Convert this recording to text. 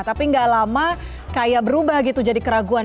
tapi gak lama kayak berubah gitu jadi keraguan